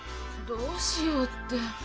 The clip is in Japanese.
「どうしよう」って。